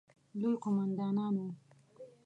لوی قوماندان وو.